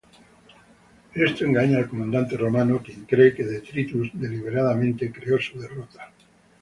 Esto engaña al comandante romano, quien cree que Detritus deliberadamente creó su derrota.